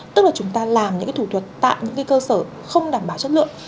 tức là chúng ta làm những thủ thuật tại những cơ sở không đảm bảo chất lượng